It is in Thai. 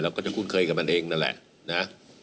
ก็จะคุ้นเคยกับมันเองนั่นแหละนะ